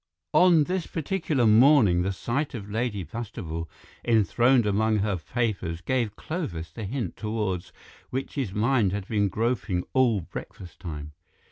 On this particular morning the sight of Lady Bastable enthroned among her papers gave Clovis the hint towards which his mind had been groping all breakfast time.